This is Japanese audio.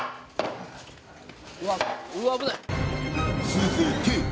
［続いて］